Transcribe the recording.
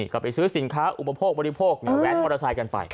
ก็ไปซื้อสินค้าอุปโภคบริโภคแว้นมอเตอร์ไซค์กันไป